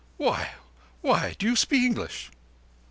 Why—why, do you speak English?